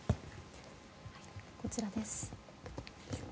こちらです。